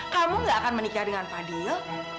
kamu gak akan menikah dengan fadil